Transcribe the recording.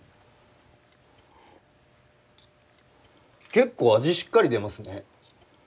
結構味しっかり出ますね。